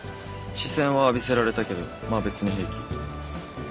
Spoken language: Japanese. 視線は浴びせられたけどまあ別に平気。